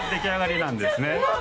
なんですね。